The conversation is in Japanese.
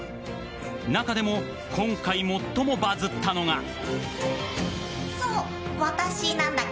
中でも、今回最もバズったのが。